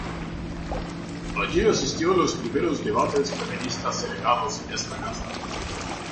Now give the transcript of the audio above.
Allí asistió a los primeros debates feministas celebrados en esta casa.